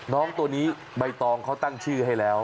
น้องตัวนี้ใบตองเขาตั้งชื่อให้แล้ว